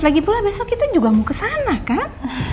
lagipula besok kita juga mau kesana kan